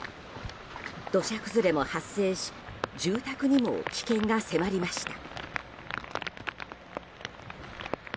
土砂崩れも発生し住宅にも危険が迫りました。